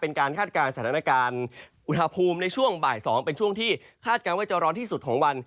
คาดการณ์สถานการณ์อุณหภูมิในช่วงบ่าย๒เป็นช่วงที่คาดการณ์ว่าจะร้อนที่สุดของวัน